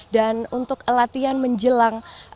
dan untuk latihan menjelang